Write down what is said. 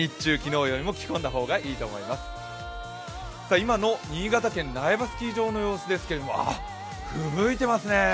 今の新潟県苗場スキー場の様子ですけども、ふぶいていますね。